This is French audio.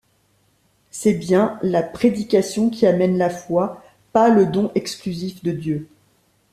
C'est bien la prédication qui amène la Foi, pas le don exclusif de Dieu.